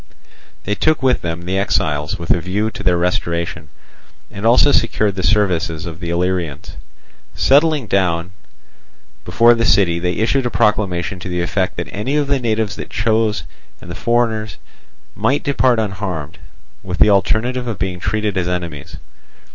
They took with them the exiles, with a view to their restoration, and also secured the services of the Illyrians. Sitting down before the city, they issued a proclamation to the effect that any of the natives that chose, and the foreigners, might depart unharmed, with the alternative of being treated as enemies.